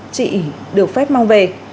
chị được phép mang về